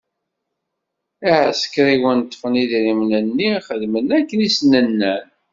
Iɛsekṛiwen ṭṭfen idrimen-nni, xedmen akken i sen-nnan.